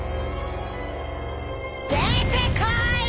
出てこい！